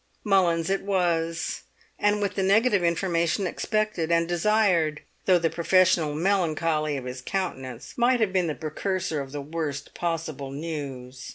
Mullins it was, and with the negative information expected and desired, though the professional melancholy of his countenance might have been the precursor of the worst possible news.